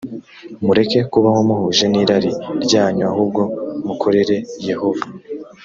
mureke kubaho muhuje n irari ryanyu ahubwo mukorere yehova